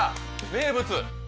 名物！